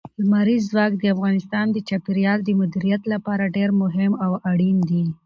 لمریز ځواک د افغانستان د چاپیریال د مدیریت لپاره ډېر مهم او اړین دي.